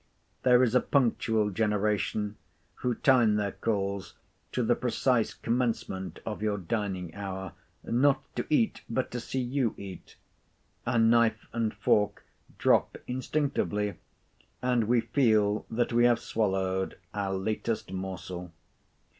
There is a punctual generation who time their calls to the precise commencement of your dining hour—not to eat—but to see you eat. Our knife and fork drop instinctively, and we feel that we have swallowed our latest morsel.